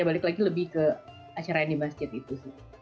ya balik lagi lebih ke acara animasjid itu